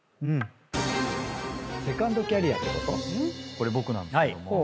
これ僕なんですけども。